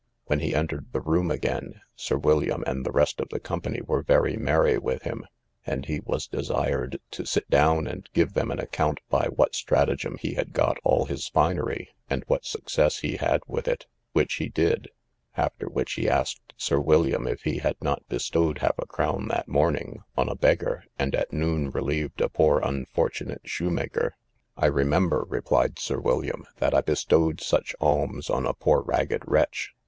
When he entered the room again, Sir William and the rest of the company were very merry with him, and he was desired to sit down and give them an account by what stratagem he had got all his finery, and what success he had with it, which he did; after which he asked Sir William if he had not bestowed half a crown that morning on a beggar, and at noon relieved a poor unfortunate shoemaker. I remember, replied Sir William, that I bestowed such alms on a poor ragged wretch.